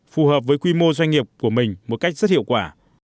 phù hợp với quy mô doanh nghiệp của mình một cách rất hiệu quả